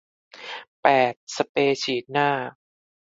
แปด สเปรย์ฉีดหน้า